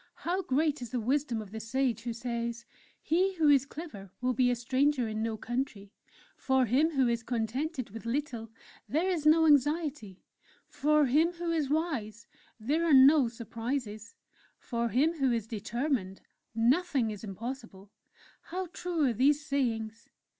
How great is the wisdom of the Sage who says: '_He who is clever will be a stranger in no country; for him who is contented with little, there is no anxiety; for him who is wise, there are no surprises; for him who is determined, nothing is impossible!_' How true are these sayings!